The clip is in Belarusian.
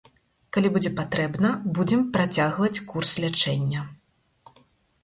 Калі будзе патрэбна, будзем працягваць курс лячэння.